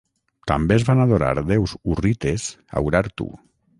També es van adorar déus hurrites a Urartu.